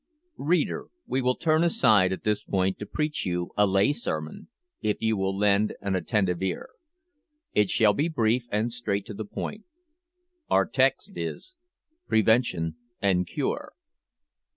Reader, we will turn aside at this point to preach you a lay sermon, if you will lend an attentive ear. It shall be brief, and straight to the point. Our text is, Prevention and Cure.